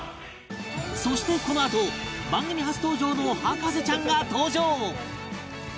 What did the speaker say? そしてこのあと番組初登場の博士ちゃんが登場